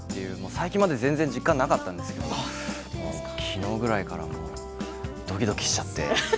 最近まで全然実感がなかったんですけどきのうぐらいからもうドキドキしちゃって。